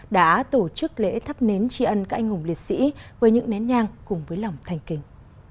đã tổ chức lễ thắp nến tri ân các anh hùng liệt sĩ với những nén nhang cùng với lòng thanh kinh